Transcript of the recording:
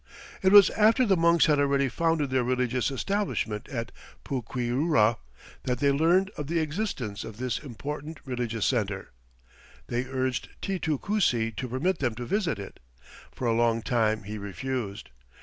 It was after the monks had already founded their religious establishment at Puquiura that they learned of the existence of this important religious center. They urged Titu Cusi to permit them to visit it. For a long time he refused.